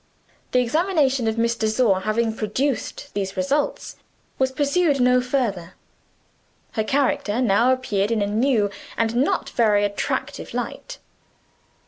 The examination of Miss de Sor having produced these results was pursued no further. Her character now appeared in a new, and not very attractive, light.